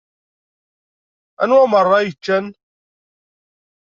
Anwa meṛṛa i yeččan?